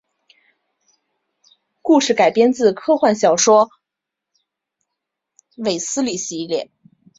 故事改编自科幻小说卫斯理系列。